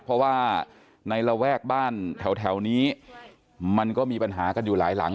เพราะว่าในระแวกบ้านแถวนี้มันก็มีปัญหากันอยู่หลายหลัง